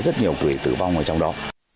nó rất nhiều người tử vong ở trong đó